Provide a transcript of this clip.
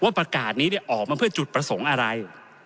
ประกาศนี้ออกมาเพื่อจุดประสงค์อะไร